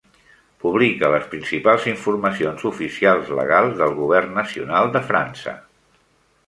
Publica les principals informacions oficials legals del govern nacional de França.